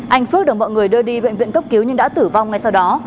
anh phước được mọi người đưa đi bệnh viện cấp cứu nhưng đã tử vong ngay sau đó